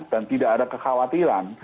dan tidak ada kekhawatiran